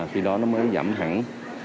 khi đó nó mới giảm thẳng